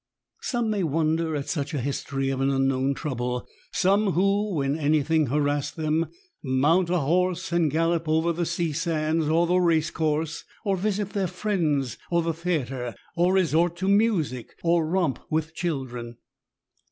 Some may wonder at such a history of an unknown trouble,— ^some who, when anything harasses them, mount a horse, and gallop over the sea saD, ds or the race course, or visit their friends or the theatre, or resort to music, or romp with children.